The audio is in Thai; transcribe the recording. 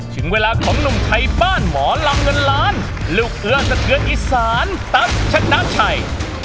ถึงเวลาของหนุ่มไขบ้านหมอลํ่องิณรรรดิ์ลุคเอื้อปเตือนอิสานตั๊ดชนะใช่